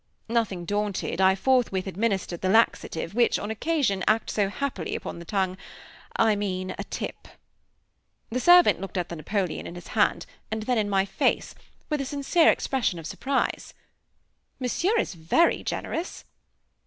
Nothing daunted, I forthwith administered that laxative which, on occasion, acts so happily upon the tongue I mean a "tip." The servant looked at the Napoleon in his hand, and then in my face, with a sincere expression of surprise. "Monsieur is very generous!"